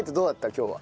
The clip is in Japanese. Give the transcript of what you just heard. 今日は。